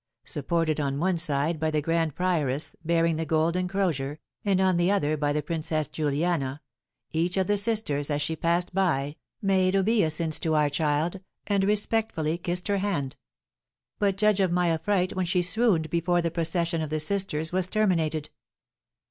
Supported on one side by the grand prioress, bearing the golden crozier, and on the other by the Princess Juliana, each of the sisters, as she passed by, made obeisance to our child, and respectfully kissed her hand. But judge of my affright when she swooned before the procession of the sisters was terminated.